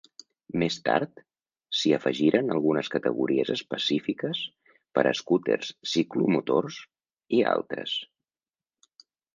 Més tard, s'hi afegiren algunes categories específiques per a escúters, ciclomotors i altres.